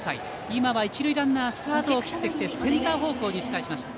今は一塁ランナースタートを切ってきてセンター方向に打ち返しました。